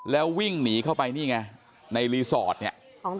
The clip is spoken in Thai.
แล้ววิ่งหนีเข้าไปนี่ไงในรีสอร์ทเนี่ย